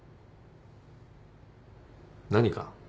何か？